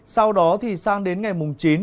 sau đó thì sang đến ngày mùng chín